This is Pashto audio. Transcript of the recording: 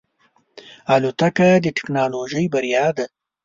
الوتکه د ټکنالوژۍ بریا ده.